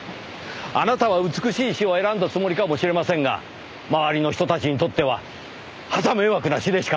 あなたは美しい死を選んだつもりかもしれませんが周りの人たちにとってははた迷惑な死でしかありません。